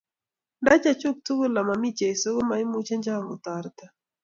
Nda chechuk tugul ama mi Jeso ko ma imuchi cho kotoreto.